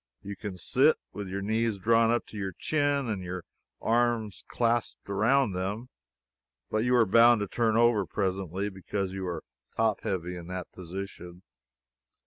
You can sit, with your knees drawn up to your chin and your arms clasped around them, but you are bound to turn over presently, because you are top heavy in that position.